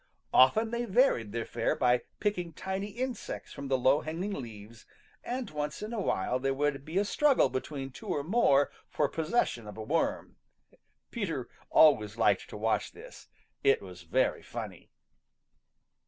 Often they varied their fare by picking tiny insects from the low hanging leaves, and once in a while there would be a struggle between two or more for possession of a worm. Peter always liked to watch this. It was very funny.